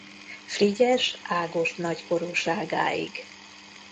Frigyes Ágost nagykorúságáig.